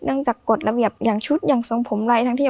จากกฎระเบียบอย่างชุดอย่างทรงผมอะไรทั้งที่